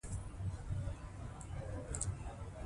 ځوانان د دښمن پر وړاندې بې خوف جګړه کوي.